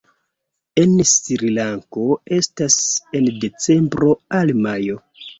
En Srilanko estas en decembro al majo.